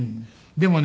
でもね